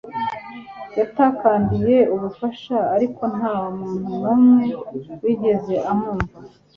Yatakambiye ubufasha ariko nta muntu numwe wigeze amwumva